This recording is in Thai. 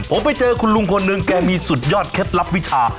ผมไปเจอคุณลุงคนหนึ่งแกมีสุดยอดเคล็ดลับวิชา